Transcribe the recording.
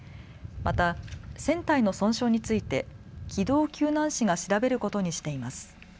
また船体の損傷について機動救難士が調べることにしています。